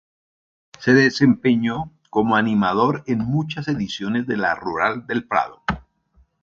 Se desempeñó como animador en muchas ediciones de la Rural del Prado.